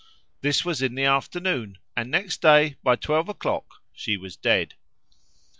This was in the afternoon, and next day by twelve o'clock she was dead.